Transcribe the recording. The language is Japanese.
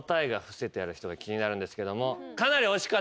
気になるんですけども。